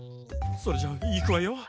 それじゃいくわよ。